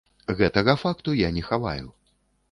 Гэтага факту я не хаваю.